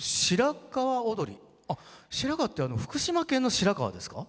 白河って福島県の白河ですか？